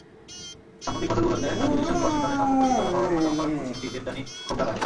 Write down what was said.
সাম্প্রতিক বছরগুলোতে নয়াদিল্লির সঙ্গে ওয়াশিংটনের সম্পর্ক শীতল হওয়ার অন্যতম কারণ কূটনীতিক দেবযানী খোবরাগাড়ে।